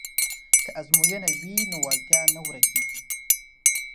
که ازموینه وي نو وړتیا نه ورکیږي.